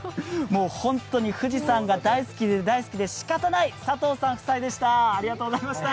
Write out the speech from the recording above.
本当に富士山が大好きで大好きでしかたない佐藤さん夫妻でした。